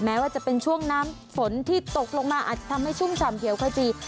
แม้ว่าจะเป็นช่วงน้ำฝนที่ตกลงมาอาจจะทำให้ชุ่มฉ่ำเขียวขจี